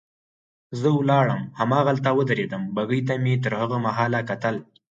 زه ولاړم هماغلته ودرېدم، بګۍ ته مې تر هغه مهاله کتل.